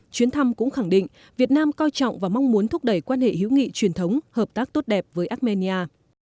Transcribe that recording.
chuyến thăm cũng khẳng định việt nam coi trọng và mong muốn thúc đẩy quan hệ hữu nghị truyền thống hợp tác tốt đẹp với armenia